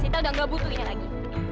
sinta udah gak butuhinya lagi